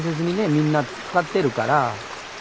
みんな使ってるから。